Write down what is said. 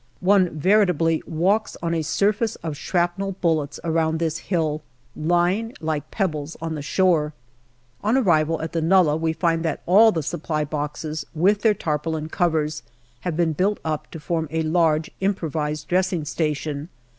One veritably walks on a surface of shrapnel bullets around this hill, lying like pebbles on the shore. On arrival at the nullah we find that all the Supply boxes, with their tarpaulin covers, have been built up to form a large impro vised dressing station.